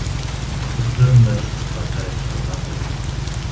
Sufrió numerosos avatares a lo largo de su historia.